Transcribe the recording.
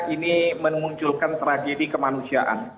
ini menunjukan tragedi kemanusiaan